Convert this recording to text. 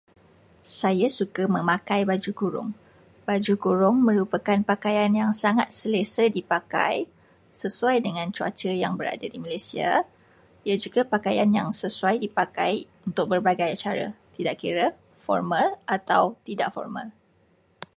Saya suka memakai baju kurung. Baju kurung merupakan pakaian yang sangat selesa dipakai. Sesuai dengan cuaca yang berada di Malaysia. Ia juga pakaian yang sesuai dipakai untuk berbagai acara, tidak kira